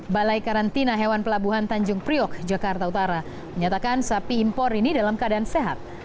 balai karantina hewan pelabuhan tanjung priok jakarta utara menyatakan sapi impor ini dalam keadaan sehat